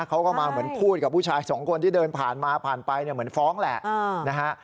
เขาก็มาเหมือนพูดกับผู้ชายสองคนที่เดินผ่านมาผ่านไปเนี่ยเหมือนฟ้องแหละนะฮะ